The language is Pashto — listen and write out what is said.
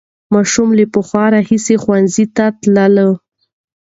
ماشومان له پخوا راهیسې ښوونځي ته تلل.